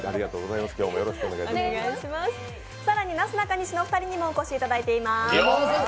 更になすなかにしのお二人にもお越しいただいています。